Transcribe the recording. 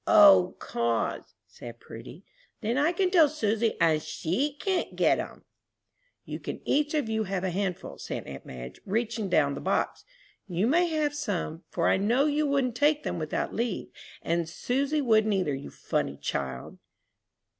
"O, 'cause," said Prudy, "then I can tell Susy, and she can get 'em!" "You can each of you have a handful," said aunt Madge, reaching down the box. "You may have some, for I know you wouldn't take them without leave, and Susy wouldn't either, you funny child!"